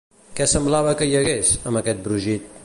Què semblava que hi hagués, amb aquest brogit?